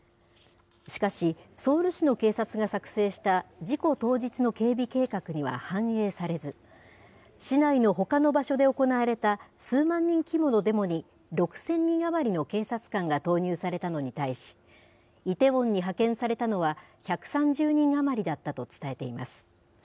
しかし、ソウル市の警察が作成した事故当日の警備計画には反映されず、市内のほかの場所で行われた数万人規模のデモに６０００人余りの警察官が投入されたのに対し、イテウォンに派遣されたのは１３０人余りだったと伝えています。